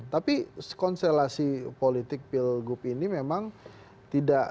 tapi konstelasi politik pilgub ini memang tidak